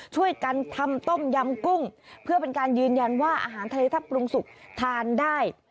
ช่วยกันทำต้มยำกุ้งเพื่อเป็นการยืนยันว่าอาหารทะเลถ้าปรุงสุกทานได้